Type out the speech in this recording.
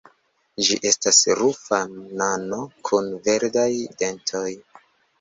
Ĝi estas rufa nano kun verdaj dentoj.